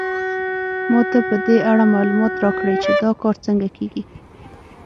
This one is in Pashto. ما ته په دې اړه معلومات راکړئ چې دا کار څنګه کیږي